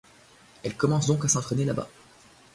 Elle commence donc à s'entrainer là-bas.